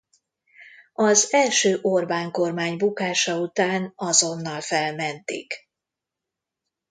Az első Orbán Kormány bukása után azonnal felmentik.